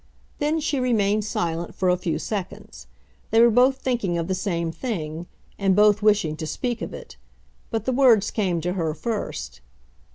Then she remained silent for a few seconds. They were both thinking of the same thing, and both wishing to speak of it. But the words came to her first.